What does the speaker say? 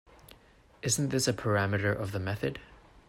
Isn’t this a parameter of the method?